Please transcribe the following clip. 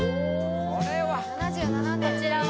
こちらは？